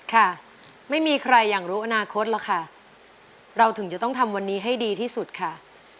ค่ะไม่มีใครอยากรู้อนาคตหรอกค่ะเราถึงจะต้องทำวันนี้ให้ดีที่สุดค่ะ